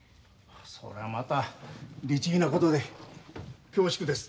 それはまた律儀なことで恐縮です。